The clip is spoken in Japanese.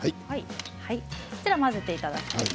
混ぜていただきます。